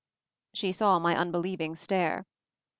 She saw my unbelieving stare.